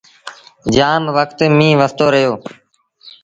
جآم وکت ميݩهن وستو رهيو۔